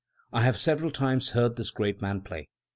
I have several times heard this great man play.